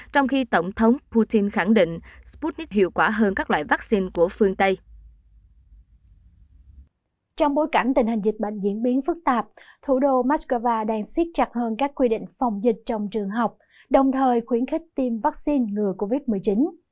trong bối cảnh tình hình dịch bệnh diễn biến phức tạp thủ đô moscow đang siết chặt hơn các quy định phòng dịch trong trường học đồng thời khuyến khích tiêm vaccine ngừa covid một mươi chín